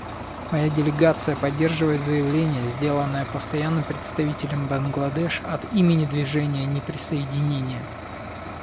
Моя делегация поддерживает заявление, сделанное Постоянным представителем Бангладеш от имени Движения неприсоединения.